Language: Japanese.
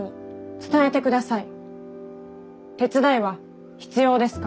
手伝いは必要ですか？